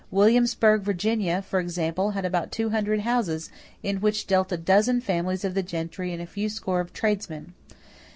Williamsburg, Virginia, for example, had about two hundred houses, in which dwelt a dozen families of the gentry and a few score of tradesmen.